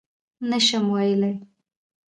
_نه شم ويلای.